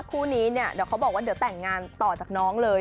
คู่นี้เนี่ยเดี๋ยวเขาบอกว่าเดี๋ยวแต่งงานต่อจากน้องเลย